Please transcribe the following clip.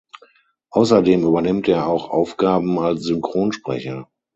Außerdem übernimmt er auch Aufgaben als Synchronsprecher.